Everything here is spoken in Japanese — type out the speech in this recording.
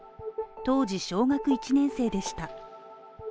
当時小学１年生でした。